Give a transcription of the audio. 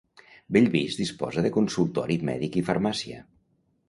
Bellvís disposa de consultori mèdic i farmàcia.